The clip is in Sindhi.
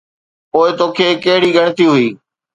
پوءِ توکي ڪهڙي ڳڻتي هئي؟